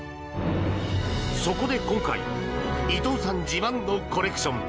そこで今回伊藤さん自慢のコレクション